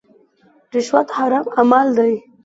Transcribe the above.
رشوت حرام عمل دی.